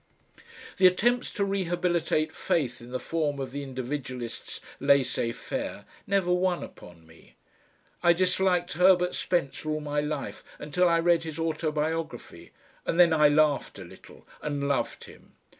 The attempts to rehabilitate Faith in the form of the Individualist's LAISSEZ FAIRE never won upon me. I disliked Herbert Spencer all my life until I read his autobiography, and then I laughed a little and loved him.